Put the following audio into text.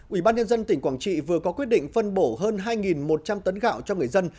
ubnd tỉnh quảng trị vừa có quyết định phân bổ hơn hai một trăm linh tấn gạo cho người dân